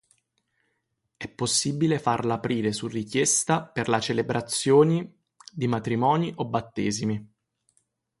È possibile farla aprire su richiesta per la celebrazioni di matrimoni o battesimi.